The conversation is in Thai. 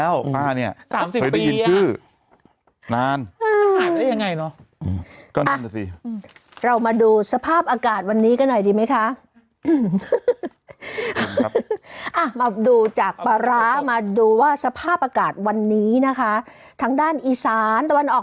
เอาปลามาสับเขาเรียกปลาร้าสับนั้น